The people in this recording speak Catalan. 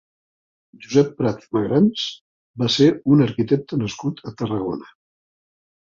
Josep Prat i Magrans va ser un arquitecte nascut a Tarragona.